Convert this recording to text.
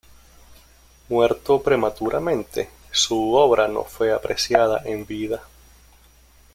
Muerto prematuramente, su obra no fue apreciada en vida.